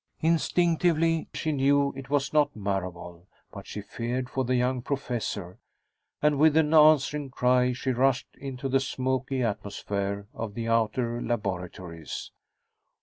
Instinctively she knew it was not Marable, but she feared for the young professor, and with an answering cry she rushed into the smoky atmosphere of the outer laboratories.